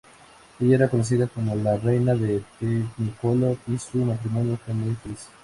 Ella era conocida como la "Reina del Technicolor", y su matrimonio fue muy feliz.